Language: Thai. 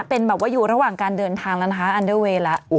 เป็นแบบว่าอยู่ระหว่างการเดินทางแล้วนะคะอันเดอร์เวย์แล้ว